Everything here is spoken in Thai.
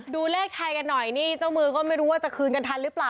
ดูเลขไทยกันหน่อยนี่เจ้ามือก็ไม่รู้ว่าจะคืนกันทันหรือเปล่า